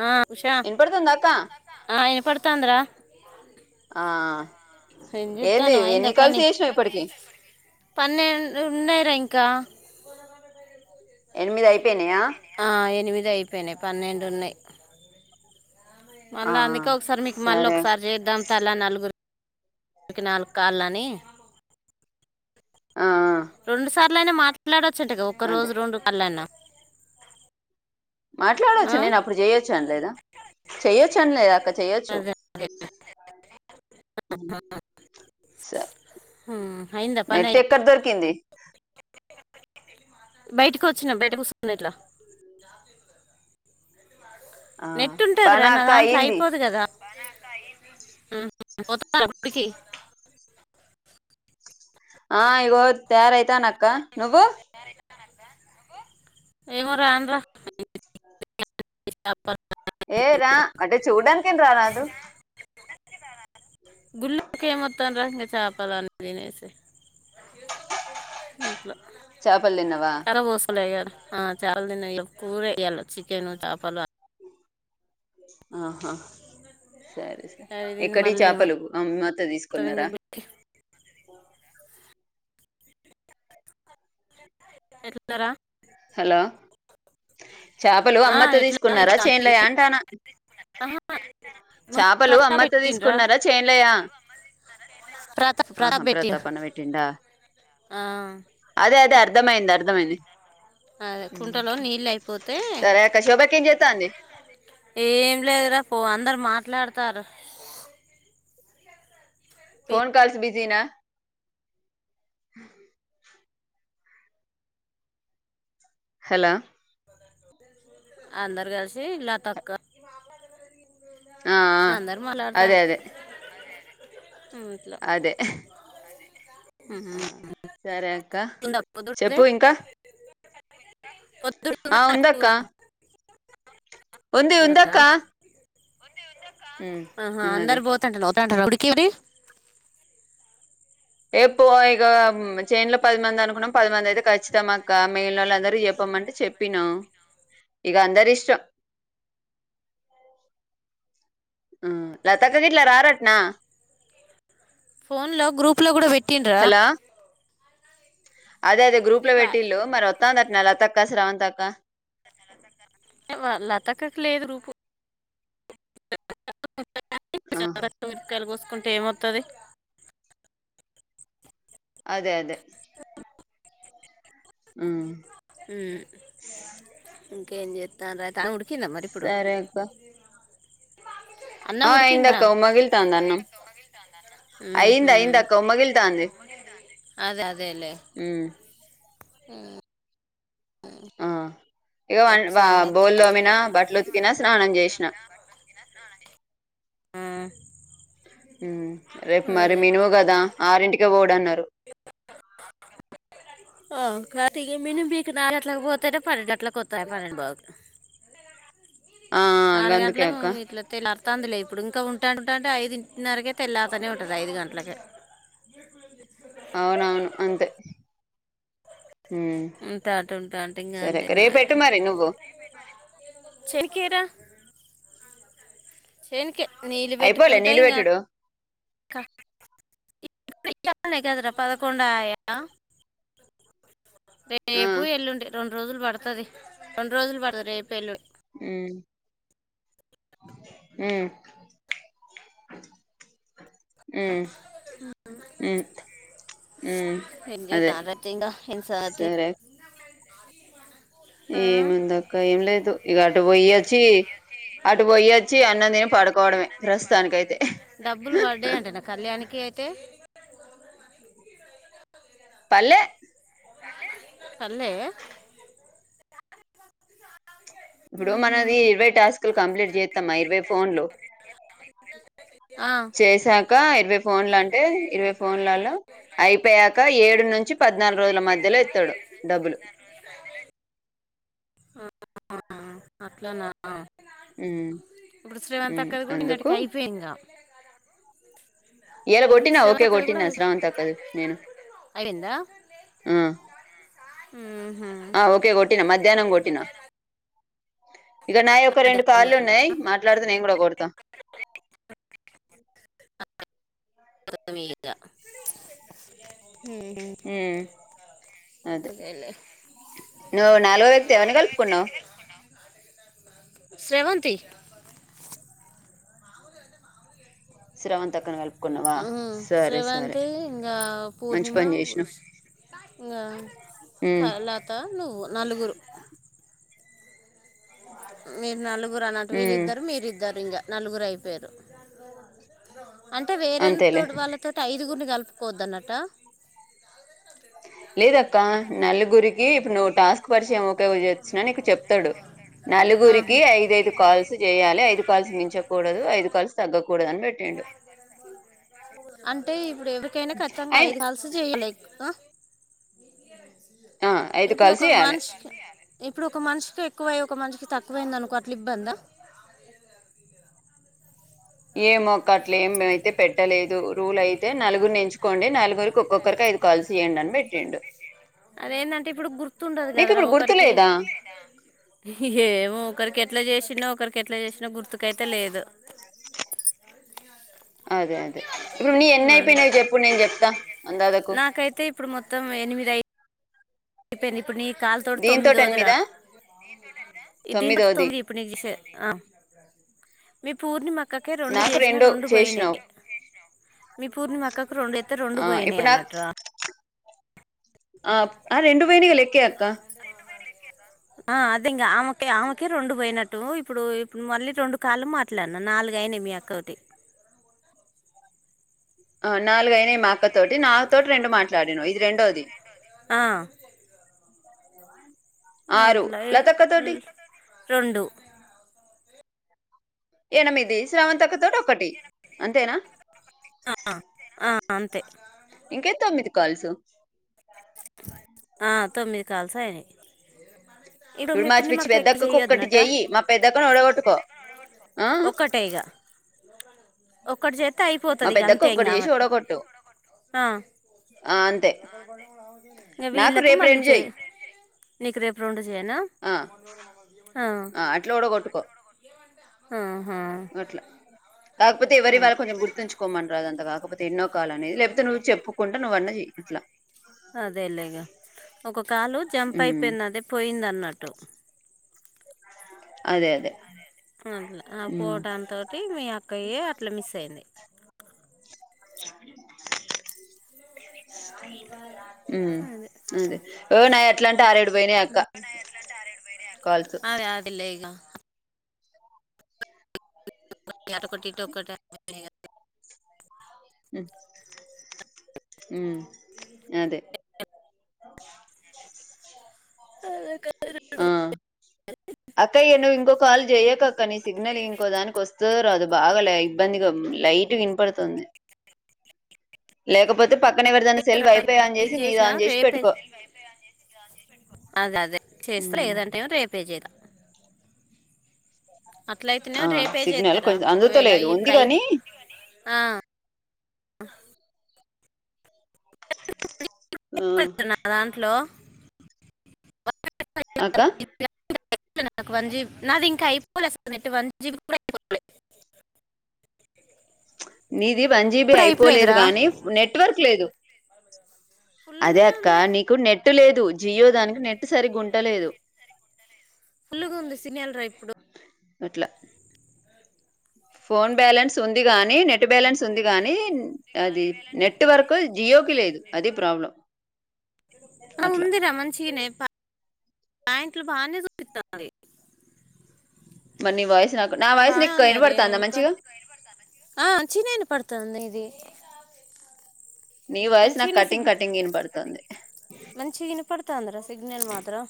ఆ ఉషా వినపడుతుందా అక్క ఆ ఏనపడతాంద్ర ఆ ఏం ఏంది చెప్తాను ఎన్ని కలిసి చేసినాం ఇప్పటికి పన్నె ఉన్నాయిార ఇంకా ఎనిమిది యి ఆ ఎనిమిది అయిపోయినాయి. పన్నెండు ఉన్నాయి ఆ మళ్ళా అందుకే ఒకసారి మీకు మళ్ళీ సరే ఒకసారి చేద్దాం. తలా నలుగురు కి నాలుగు కాల్లా అనీ ఆ అట్లైనా మాట్లాడొచ్చట్టు గా ఒక్క అదే రోజు రెండు కళ్లైనా ఆ? మాట్లాడొచ్చు నేను అప్పుడు చెయొచ్చు అనలేదా చెయ్యొచ్ చ్చు అనలేదు అక్క చెయాచ్చు అదే అదే స ఉమ్, అయిందా నెట్టు ఎక్కడ దొరికింది. బయటకి వోచ్చిన బయటకు కూర్చున్న ఇట్లా ఆ నెట్టు ఉంటదిరా పనా నా అక్క దాంట్లో అయ్యింది అయిపోదు కదారా హ్ పోతార్ర గుడికి ఆ ఇగో తయారు ఐతన్న అక్క నువ్వు ఏమో రాన్రా ఏ రా అంటే చూడానికె రారాదు గుల్లోకే ఏం ఆత్తం రా ఇగ చేపాలన్నీ తినేసి ఇంట్లో చేపలు తిన్నావా తల పోసు ఉంటాయి గాదా ఆ చాల తిన్న ఇగా పూరె ఈయల్ల చికెను చేపలు ఆహా సరే సరే అవి తిని ఎక్కడియి మళ్ళీ చేపలు ఏమొత్తాం అమ్మత్తే ఇంకా తీసుకున్నారా గుళ్ళకి ఆఓ ఎట్లా దారా హలో చేపలు ఆ, అమ్మత్తే ఎట్లా తీసుకున్నారా ఎట్లా అంటివి? చేన్లయా అంటాన్న ఆహా, మొన్న చేపలు ప్రతాప్ అమ్మత్తే పెట్టిండ్రా తీసుకున్నారా చేన్లయ ప్రతాప్ ఆహా ప్రతాప్ పెట్టిండు ప్రతాపన్న వెట్టిండా ఆ అదే అదే అర్థమైంది అర్థమైంది అదే ఉమ్. కుంటలో నీళ్ళు అయిపోతే సరే అక్క శోభకి ఏం చేస్తాంది ఏం లేదురా పో అందరు మాట్లాడతారు. పిల్ల- ఫోన్ కాల్స్ బిజీనా హ హలో అందరు కలిసి లాతక్క ఆ ఆ అదే అదే ఉమ్, అదే హ్ హ్ సరే అక్క ఉంద పొద్దుటిదే చెప్పు ఇంకా ఆ ఉందక్క కూర ఉంది ఉన్నదా? ఉందక్క ఉమ్, ఆహా ఉన్నది అందరు పోతంటార వత్తనంట్టారా గుడికి ఎపో ఇగా చేన్ల పది మంది అనుకున్నాం. పదిమంది అయితే ఖచ్చితాం ఆక్క మిగిన్నోళ్ళకి అందరికి చెప్ప మంటే చెప్పినా ఇగా అందరి ఇష్టం హ్ లతక్క గిట్లా రారట్నా ఫోన్ లో గ్రూప్ లో కూడా పెట్టిండ్రా హలో అదే అదే గ్రూప్ లో నీకు వా- పెట్టిళ్ళు మరి వోత్తాందట్న లతక్క శ్రావంతక్క లతక్కకు లేదు గ్రూపు పచ్చి ఆ మిరప కాయలు కోసుకుంటే ఏమెత్తది అదే అదే హ్ హ్ ఇంకేం చేత్తంర్రు ఆ గుండు కింద మరి ఇప్పుడు సరే అక్క అన్నం ఆ ఉడికిందా అయిందాకా మగిళ్తాంద అన్నం అయ్యింధి ఉహుం, అయ్యింధి అక్కా ఉమ్మగిల్తంధి అదే అదేలేే ఆ ఇక సంగతి బోల్ల్లోమినా బట్టలు ఉతికినా స్నానం చేసిన ఆ, రేపు మరి అదే మనువు కదా ఆరింటిక పోడ అన్నారు ఆ కాటి మిని మీకు నాలుగు అట్లకు పోథారు పన్నెండు అట్లకు పోతాయి పన్నెండు బాగుకి ఆ ఆ! ఆరు గందుకే గంటలకు అక్క వీట్ల అందిలే ఇప్పుడు ఇంకా ఉంటాంట ఉంటాంటే ఐదుంటిన్నరకే తెల్తనే ఉంటుంది ఐదు గంటలక అవునవును అంతే ఉంటా అంటే ఉంటా అంటే ఇంకా సరే రేపు ఎట్టు మరి నువ్వు చేఖరా చేనుకి నీళ్ళు అయిపోలే పెట్టుకుంటాయి నీళ్ళు పెట్టుడు ఇంకా ఇప్పుడు ఇచ్చాల కదరా పదకొండయా ఆ రేపు ఎల్లుండి రెండు రోజులు పడుతుది రెండు రోజులు పడుతుంది రేపు ఎల్ ఉమ్ ఉమ్ ఉమ్ ఉమ్ ఉ ఏం అదే చేస్తాను ఇంకా ఏం సంగతి సరే ఆ, ఏమందాక్క ఏం లేదు ఇ అటు పోయొచ్చి అటు పోయొచ్చి అన్నం తిని పడుకోవడమే ప్రస్తుతాని అైతే డబ్బులు పడ్డాయి అంటే నా కళ్యాణికి అయితే పల్ పల్లే ఇప్పుడు మనది ఇరవై టాస్కులు కంప్లీట్ చేస్తామా ఇరవై ఫోన్లు ఆ, చెసాకా ఇరవై ఫోన్లు అంటే ఇరవై ఫోన్లలో అయిపోయా ఇక ఏడు నుంచి పద్నాలుగు రోజుల మధ్యలో ఇస్తాడు డబ్బులు అట్లానా ఉమ్ ఇప్పుడు శ్రీమంతా ఉమ్ కద కూడా అందుకు నిన్నటికి అయిపోయి ఇంకా ఎలా కొట్టినా శ్రీవంత్ ఓకే కొట్టిన శ్రావణ త కదు నేను అయ్యింద ఆ ఆ ఓకే కొట్టినా మధ్యాహ్నం కొట్టినా ఇక నాయ ఒక రెండు మధ్యాహ్నం పాళ్లుు ఉన్నాయి కొట్టినవా మాట్లాడుతు నేం కూడా కొడతా తమ ఇగా హ అదే అదేలే నువ్వు నాలుగో వ్యక్తి అవని కలుపుకున్నావ్ శ్రవంతీ శ్రవంతక్కన శ్రవంతి ఇంకా మంచి పూర్ణిమ పని చేసినావ్ ఇంకా ఉమ్ లత నువ్వు నలుగురు మీరు నలుగురు అన్నటు ఉమ్ వీళ్ళిద్దరు మీరు ఇద్దరు ఇంకా నలుగురు అయిపోయారు అంటే వేరేంత అంతేలే త వాళ్ళతో అఐ ఇదిగురి కలుపుకోవద్దన్నట లేదక్క నలుగురికి ఇప్పుడు నువ్వు టాస్క్ పరిచామ చేచ్చిన నీకు చెప్తాడు ఆహా నలుగురికి ఐదుఐదు కాల్స్ చేయాలి ఐదు కాల్స్ మించకూడదు ఐదు కాల్స్ తగ్గకూడదు అని పెట్ అంటే ఇప్పుడు ఎవరికైనా ఖచ్చితంగా అయిన ఐదు కలిసు చెయలేక్ ఆ ఐదు ఇప్పుడు కాల్స్ ఓకా చేయాలి మన్ష్ ఇప్పుడు ఒక మనిషికి ఎక్కువై ఒక మనిషికి తక్కువైందనుకో అట్లా ఇబ్బందా ఏమో అక్క అట్ల ఏం అయితే పెట్టలేదు రూల్ అయితే నలుగురి నుంచు కోండి నాలుగురికి ఒక్కొక్కరికి ఐదు కాల్స్ చేయండి అని పెట్టిండు అదేంటంటే ఇప్పుడు గుర్తుండదు నీకు కదరా ఇప్పుడు ఒకరికి గుర్తులేదా ఏమో ఒకరికి ఎట్లా జసి న క ట్లా చేసిన గుర్తుకైతే లేదు అదే అదే ఇప్పుడు నీ ఎన్న అయిపోయినాకు చెప్పు నేను చెప్తా అందాదకు నాకైతే ఇప్పుడు మొత్తం ఎనిమిది అయి అయిపోయిను ఇప్పుడు నీ కాల్ తోటి దీంతో తొమ్మిదోదిరా ఎనిమిదా ఇీన్ పట్ తొమ్మిదోది తోమింది ఇప్పు న ఆ మీ పూర్ణిమ అక్కకే రెండు నాకు చేసినా రెండు చేసినావు పోయినాయి మీ పూర్ణిమ అక్కకు రెండు అయితే రెండు ఆ పోయినాయి ఇప్పుడు నాకు అన్నట్రా ఆ ఆ రెండు పోయినాయి లేక్కేక్క అ ఆ అదేం ఆమెక ఆమెకే రెండు పోయినట్టు ఇప్పుడు ఇప్పుడు మళ్ళీ రెండు కాళ్లు మాట్లాడిన నాలుగయినా నిమియాకటి నాలుగయినాయి మా అక్క తోటి నాతోటి రెండు మాట్లాడిను ఇది రెండోది ఆ, ఆరు అట్లా లేలాత క తోటి ఇ- రెండు ఎనిమిది శ్రావంతక తోటీ ఒకటి అంతేనా ఆ, ఆ, అంతే ఇంకే తొమ్మిది కాల్సు ఆ తొమ్మిది కాల్సయినాయి ఇప్పుడు మార్చి పచ్చి పెద్దక్కకు ఒక్కటి చేయి మా పెద్దక్కని ఉడగొట్టుకో ఒకటైగా ఒక్కటి చేత మా అయిపోతుది ఇక పెద్దక్క అంతే ఒక్కటి చేసి ఇంకామద ఓడగొట్టు ఆ ఆ అంతే నాకు వీళకు రేపు మళ్ళ రెండు చే చెయ్యి నికు రేపూ రెండు చేయనా ఆ ఆ అట్లా ఓడగొట్టుకో ఆహా అట్లా కాకపోతే ఎవరి ఆ, వాళ కొంచం గుర్తుంచుకోమరాద అంత కా కాకపోతే ఎన్నో కాలనేది లేకపోతే నువ్వు చెప్పుకుంట నువ్వు అన్నా చేయ అట్లా అదేలేగా ఒక కాలు జంప్ ఉమ్ అయిపోయింది అదే పోయింది అన్నట్టు అదే అదే అట్లా ఉమ్ పోవటంతో మీ అక్కయ్య అట్లా మిస్ అయింది మ్మ్ అదే అదే వునా ఎట్లాంటి కాల్స్ అదే అది లే ఇగ ట కొటి ఒక అదే ఆ ఆ అక్క ఏను ఇంకో కాల్ చెయ్యక కానీ సిగ్నల్ ఇంకో దానికి వస్త అదు బాగా ఇబ్బందిగా లైట్ వినపడుతుంది లేకపోతే పక్కన ఎవరు తన సెల్ వైపే ఆన్ ఇది చేసి నీది చేసినా ఆన్ చేసి రేపే పెట్టుకో అదే అదే చేస్తా ఉమ్ లేదంటే ఏమో రేపే చేయలా అట్ల అయితేనే ఆ రేపే సిగ్నల్ చేస్తారా కొంచెం ఒకవేళ అందుతలేదు ఉంది ఇప్పుడు అయి కాని ఆ ఆ నాదాంట్లో అక్కా జీబి నాది ఇంకా అయిపోవలే నెట్టు వన్ జీబి కూడా ఐపోలే [inaudible] నిది వన్ జీబీ ఇప్పుడు అయిపోలేదు అయిపోలేదురా గాని నెట్వర్క్ లేదు అదే ఫుల్గానే అక్క ఉంది నీకు నెట్ లేదు జియో దానికి నెట్ సరిగ్గుంటలేదు ఫుల్లుగుంది సిగ్నల్ ర ఇప్పుడు అట్లా ఫోన్ బ్యాలెన్స్ ఉంది గాని నెట్ ట్ బ్యాలెన్స్ ఉంది కానీ అది నెట్వర్క్ జియో కి లేదు అది ప్రాబ్లం ఆ అట్లా ఉందిరా మంచిగనే పా పాయింట్లు బానే చూపిత్తంది మరి నీ వాయిస్ నాకు నా వాయిస్ నీకు వినపడుతుందా మంచిగా [unintelligible] ఆ చిన్నగినపడతాంది ఇది నీ వాయిసు నాకి మంచిగానే సిగ్ కటింగ్ కటింగ్ గ ఇనపడుతంది స్తాంది రా సిగ్నెల్ మాత్రం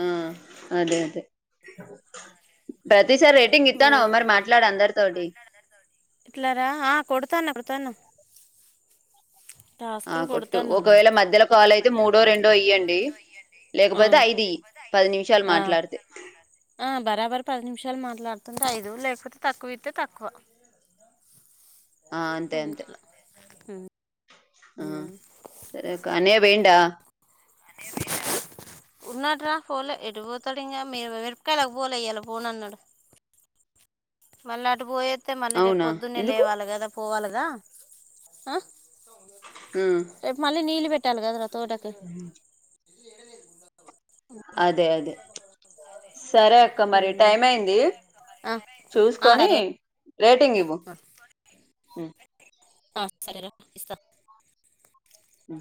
ఆ, అదే అదే ప్రతిసారి రేటింగ్ ఇత్తన్నవ్ మరి మాట్లాడు అందరితోటి ఇట్లారా ఆ కొడతాన్న కొడతాన్న ఆ కొట్టు కొడతానులే ఒకవేళ మధ్యలో కాల్ అయితే మూడో రెండో ఇయ్యండి ఆ లేకపోతే ఐదీ పది నిమిషాలు ఆ మాట్లాడితే ఆ బరాబర్ పది నిమిషాలు మాట్లాడుతుంటే ఐదు లేకపోతే తక్కువ ఇతే తక్కువ ఆ అంతే ఉమ్ అంతే ట్లా ఆ సరే అక్క అన్నయ్య పోయిండా ఉన్నాడు రా పోలే ఎటుపోతాడు ఇంకా మే మిరపకాయలకి పోలే ఇయ్యాల పోను అన్నాడు మళ్ళీ అటు పోయొత్తే మళ్ళీ రేపు అవునా పొద్దున్నే ఎందుకు లేవాలి కదా పోవాలిగ ఆ ఉమ్ రేపు మళ్ళీ నీళ్ళు పెట్టాలి కదరా తోటకి అదే అదే సరే అక్క మరి టైం అయింది ఆ ఆ చూసుకొని సరేరా రేటింగ్ ఇవ్వు ఆ సరే రా ఇస్తా ఉ